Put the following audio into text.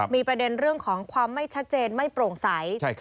มีประเด็นเรื่องของความไม่ชัดเจนไม่โปร่งใส